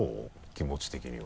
気持ち的には。